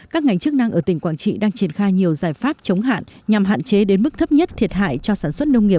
các ngành chức năng ở tỉnh quảng trị đang triển khai nhiều giải pháp chống hạn